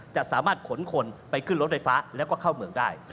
จะสามารถขนคนไปขึ้นรถไฟฟ้าแล้วก็เข้าเมืองได้